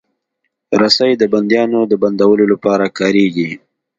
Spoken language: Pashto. رسۍ د بندیانو د بندولو لپاره کارېږي.